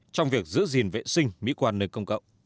trong việc giữ gìn vệ sinh mỹ quan nơi công cộng